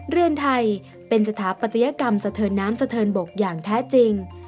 เรือนไทยเป็นสถาปัตยกรรมสะเทินน้ำสะเทินบกอย่างแท้จริง